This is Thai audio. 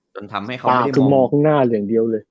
จนทำให้เขาไม่ได้คือมองข้างหน้าอย่างเดียวเลย